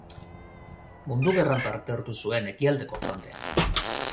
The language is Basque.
Mundu Gerran parte hartu zuen, ekialdeko frontean.